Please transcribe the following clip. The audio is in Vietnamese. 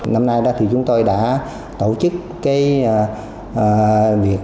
năm nay chúng tôi đã tổ chức